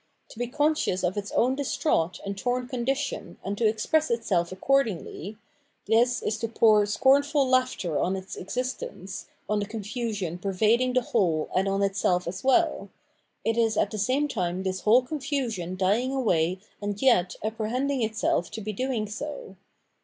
To be conscious of its own distraught and torn condition and, to express itself accordingly, — this is to pour scornful laughter on its existence, on the confusion pervading the whole and on itself as well : it is at the same time this whole confusion dying away and yet apprehending itself to be doing so.